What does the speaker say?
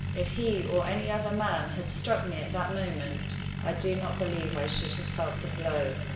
If he or any other man had struck me at that moment, I do not believe I should have felt the blow.